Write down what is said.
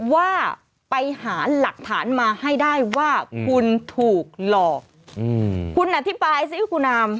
ว่าไปหาหลักฐานมาให้ได้ว่าคุณถูกหลอกคุณอธิบายสิคุณอาม